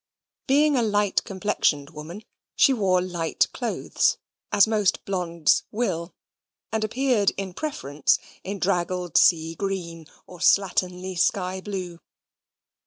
Being a light complexioned woman, she wore light clothes, as most blondes will, and appeared, in preference, in draggled sea green, or slatternly sky blue.